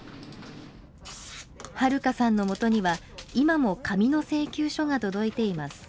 春香さんのもとには今も紙の請求書が届いています。